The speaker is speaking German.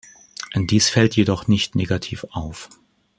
Dies fällt jedoch nicht negativ auf.